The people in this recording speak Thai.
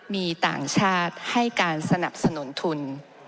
มีต่างชาติให้การสนับสนุนทุน